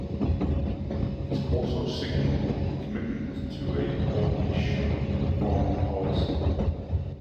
It also signaled a commitment to a hawkish foreign policy.